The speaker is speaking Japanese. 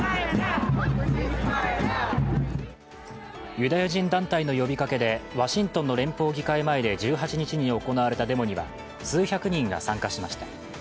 ユダヤ人団体の呼びかけでワシントンの連邦議会前で１８日に行われたデモには数百人が参加しました。